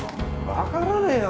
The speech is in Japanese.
分からねえよ